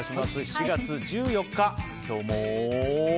７月１４日、今日も。